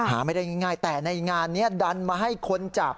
หาไม่ได้ง่ายแต่ในงานนี้ดันมาให้คนจับ